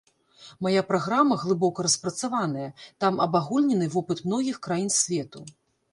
Мая праграма глыбока распрацаваная, там абагульнены вопыт многіх краін свету.